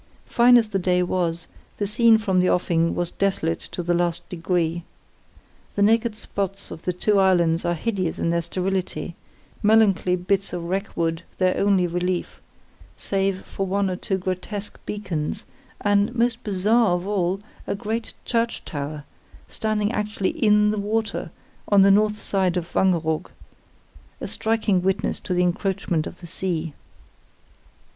Fine as the day was, the scene from the offing was desolate to the last degree. The naked spots of the two islands are hideous in their sterility: melancholy bits of wreck wood their only relief, save for one or two grotesque beacons, and, most bizarre of all, a great church tower, standing actually in the water, on the north side of Wangeroog, a striking witness to the encroachment of the sea.